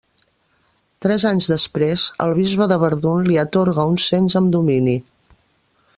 Tres anys després, el bisbe de Verdun li atorga un cens amb domini.